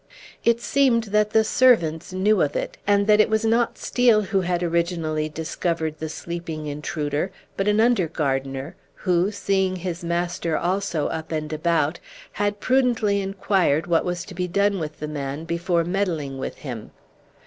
It seemed that the servants knew of it, and that it was not Steel who had originally discovered the sleeping intruder, but an under gardener, who, seeing his master also up and about, had prudently inquired what was to be done with the man before meddling with him.